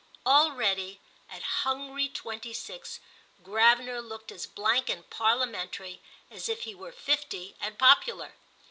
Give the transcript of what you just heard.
Already, at hungry twenty six, Gravener looked as blank and parliamentary as if he were fifty and popular.